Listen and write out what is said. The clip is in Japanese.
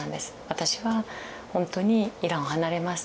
「私はほんとにイランを離れます」と。